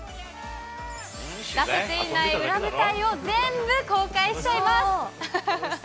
出せていない舞台裏を全部公開しちゃいます。